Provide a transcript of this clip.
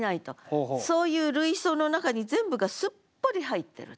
そういう類想の中に全部がすっぽり入ってると。